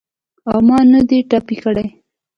او ما نه دې پټه کړې وه.